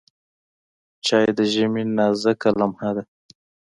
چای د ژمي نازکه لمحه ده.